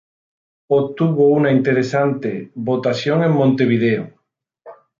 Obtuvo una interesante votación en Montevideo.